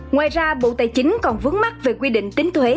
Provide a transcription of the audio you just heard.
ngoài ra bộ tài chính còn vướng mắt về quy định tính thuế